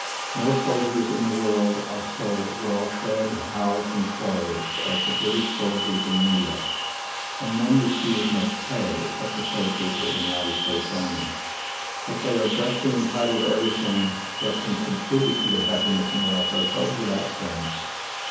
No soldiers in the world are so well fed, housed, and clothed as the British soldiers in India, and none receive as much pay, except the soldiers of the United States army. That they are justly entitled to everything that can contribute to their happiness and welfare, goes without saying.